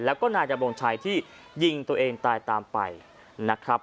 แล้วก็นายดำรงชัยที่ยิงตัวเองตายตามไปนะครับ